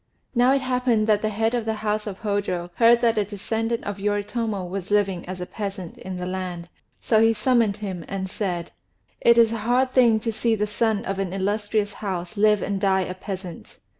Now it happened that the head of the house of Hôjô heard that a descendant of Yoritomo was living as a peasant in the land, so he summoned him and said: "It is a hard thing to see the son of an illustrious house live and die a peasant.